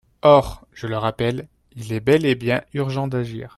Or, je le rappelle, il est bel et bien urgent d’agir.